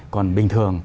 còn bình thường